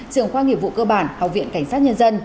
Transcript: trường khoa nghiệp vụ cơ bản học viện cảnh sát nhân dân